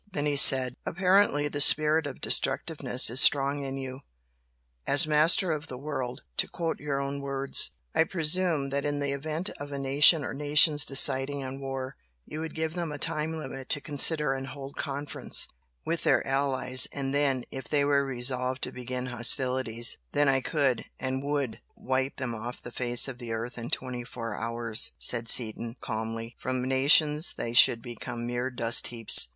Then he said "Apparently the spirit of destructiveness is strong in you. As 'master of the world' to quote your own words, I presume that in the event of a nation or nations deciding on war, you would give them a time limit to consider and hold conference, with their allies and then if they were resolved to begin hostilities " "Then I could and WOULD wipe them off the face of the earth in twenty four hours!" said Seaton, calmly "From nations they should become mere dust heaps!